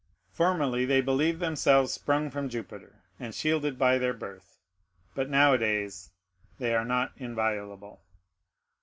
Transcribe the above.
Formerly they believed themselves sprung from Jupiter, and shielded by their birth; but nowadays they are not inviolable.